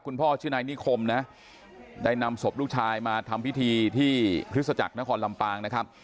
พ่อชื่อนายนิคมนะได้นำศพลูกชายมาทำพิธีที่คริสตจักรนครลำปางนะครับ